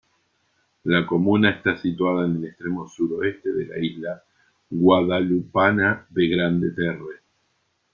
La comuna está situada en el extremo suroeste de la isla guadalupana de Grande-Terre.